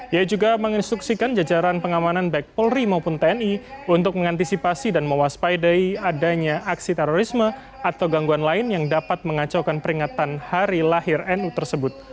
ia juga menginstruksikan jajaran pengamanan baik polri maupun tni untuk mengantisipasi dan mewaspadai adanya aksi terorisme atau gangguan lain yang dapat mengacaukan peringatan hari lahir nu tersebut